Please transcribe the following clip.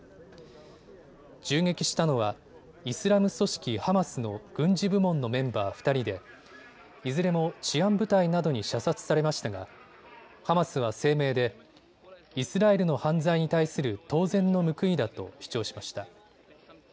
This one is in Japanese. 銃撃したのはイスラム組織ハマスの軍事部門のメンバー２人でいずれも治安部隊などに射殺されましたがハマスは声明でイスラエルの犯罪に対する当然の報いだと主張しました。